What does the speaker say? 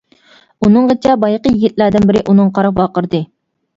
ئۇنىڭغىچە بايىقى يىگىتلەردىن بىرى ئۇنىڭغا قاراپ ۋارقىرىدى.